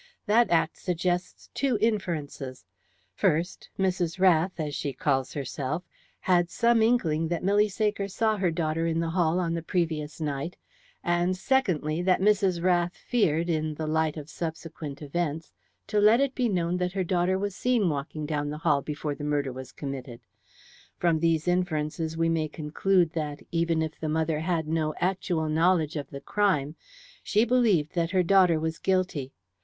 That act suggests two inferences. First, Mrs. Rath, as she calls herself, had some inkling that Milly Saker saw her daughter in the hall on the previous night, and secondly, that Mrs. Rath feared, in the light of subsequent events, to let it be known that her daughter was seen walking down the hall before the murder was committed. From these inferences we may conclude that, even if the mother had no actual knowledge of the crime, she believed that her daughter was guilty.